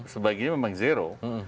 sebaiknya memang zero